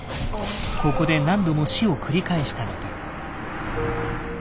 ここで何度も死を繰り返したのか。